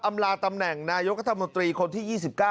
ลาตำแหน่งนายกรัฐมนตรีคนที่๒๙